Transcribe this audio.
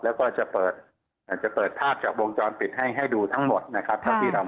แล้วก็จะเปิดภาพจากวงจรปิดให้ดูทั้งหมดนะครับ